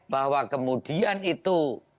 bahwa kemudian itu